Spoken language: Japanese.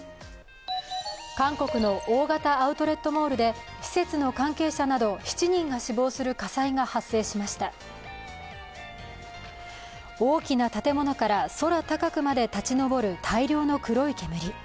韓国の大型アウトレットモールで施設の関係者など７人が死亡する火災が発生しました大きな建物から空高くまで立ち上る大量の黒い煙。